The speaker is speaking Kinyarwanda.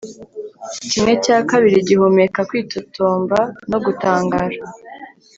Kimwe cya kabiri gihumeka kwitotomba no gutangara